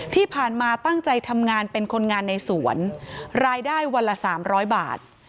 ที่ผ่านมาตั้งใจทำงานเป็นคนงานในสวนรายได้วันละ๓๐๐บาท